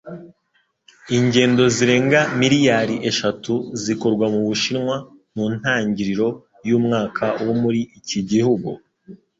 Ingendo zirenga miliyari eshatu zikorwa mu Bushinwa mu ntangiriro y'umwaka wo muri iki gihugu.